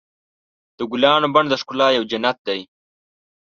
د ګلانو بڼ د ښکلا یو جنت دی.